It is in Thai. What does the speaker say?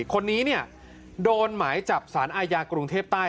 คนนี้โดนหมายจับสารอาญากรุงเทพใต้